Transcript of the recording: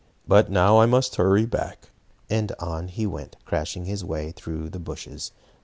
But now I must hurry back," and on he went, crashing his way through the bushes.